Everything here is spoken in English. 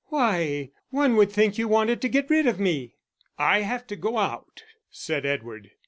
"Why, one would think you wanted to get rid of me!" "I have to go out," said Edward.